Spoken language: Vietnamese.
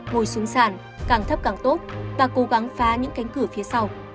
ngồi xuống sàn càng thấp càng tốt và cố gắng phá những cánh cửa phía sau